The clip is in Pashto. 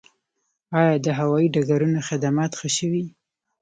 آیا د هوایي ډګرونو خدمات ښه شوي؟